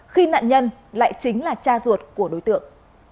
khi nạn nhân lại chính là cha ruột của đối tượng